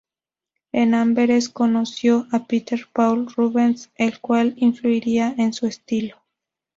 En Amberes conoció a Peter Paul Rubens el cual influiría en su estilo.